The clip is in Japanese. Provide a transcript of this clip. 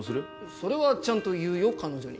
それはちゃんと言うよ彼女に。